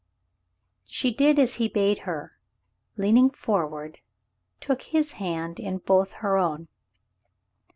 She did as he bade her and, leaning forward, took his hand in both her own.